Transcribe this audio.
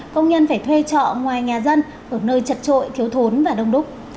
công nhân phải thuê trọ ngoài nhà dân ở nơi chật trội thiếu thốn và đông đúc